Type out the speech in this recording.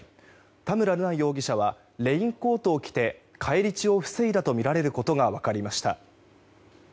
田村瑠奈容疑者はレインコートを着て返り血を防いだとみられることが分かりました。